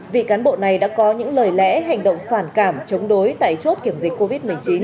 vị cán bộ này đã có những lời lẽ hành động phản cảm chống đối tại chốt kiểm dịch covid một mươi chín